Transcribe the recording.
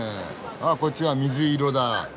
あこっちは水色だ。